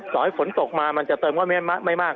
ต่อให้ฝนตกมามันจะเติมก็ไม่มาก